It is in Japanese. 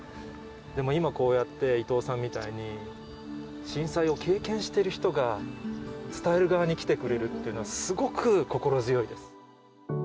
でも今、こうやって伊藤さんみたいに、震災を経験している人が、伝える側に来てくれるっていうのは、すごく心強いです。